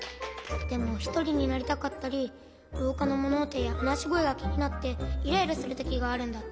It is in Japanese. でもひとりになりたかったりろうかのものおとやはなしごえがきになってイライラするときがあるんだって。